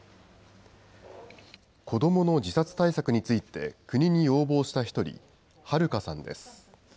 子どもの自殺対策について国に要望した１人、はるかさんです。